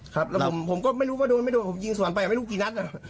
ครับแล้วผมก็ไม่รู้ว่าโดนไม่โดนผมยิงสวนไปไม่รู้กี่นัด